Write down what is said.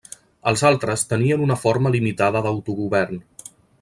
Els altres tenien una forma limitada d'autogovern.